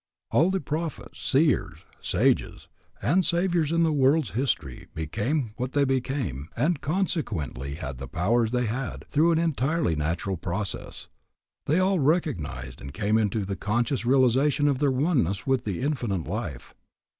All the prophets, seers, sages, and saviours in the world's history became what they became, and consequently had the powers they had, through an entirely natural process. They all recognized and came into the conscious realization of their oneness with the Infinite Life.